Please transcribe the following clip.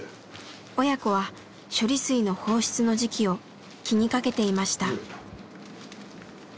親子は処理水の放出の時期を気にかけていました。